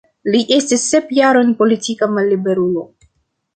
Li estis sep jarojn politika malliberulo.